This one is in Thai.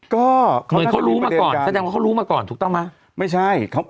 ก็เหมือนเขารู้มาก่อนแสดงว่าเขารู้มาก่อนถูกต้องไหมไม่ใช่เขา